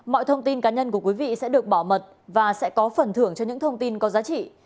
mọi thông tin cá nhân của quý vị sẽ được bảo mật và sẽ có phần thưởng cho những thông tin có giá trị